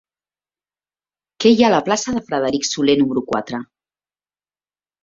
Què hi ha a la plaça de Frederic Soler número quatre?